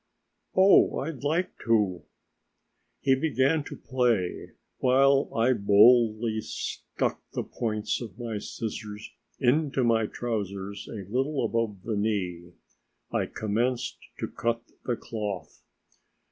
"Oh, I'd like to." He began to play, while I boldly stuck the points of my scissors into my trousers a little above the knee. I commenced to cut the cloth.